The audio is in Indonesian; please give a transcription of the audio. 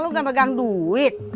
lu gak pegang duit